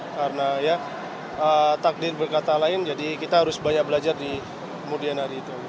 karena ya takdir berkata lain jadi kita harus banyak belajar di kemudian hari itu